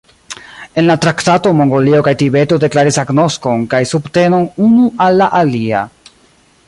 En la traktato Mongolio kaj Tibeto deklaris agnoskon kaj subtenon unu al la alia.